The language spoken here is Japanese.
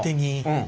うん。